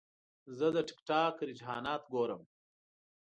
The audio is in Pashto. زه د ټک ټاک رجحانات ګورم.